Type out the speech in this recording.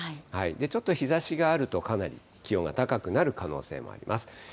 ちょっと日ざしがあると、かなり気温が高くなる可能性もあります。